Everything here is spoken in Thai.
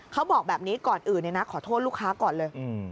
เขาบอกแบบนี้ก่อนอื่นขอโทษลูกค้าก่อนเลย